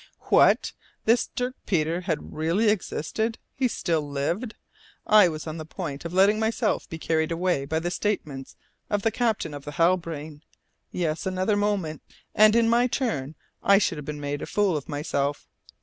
What! This Dirk Peters had really existed? He still lived? I was on the point of letting myself be carried away by the statements of the captain of the Halbrane! Yes, another moment, and, in my turn, I should have made a fool of myself.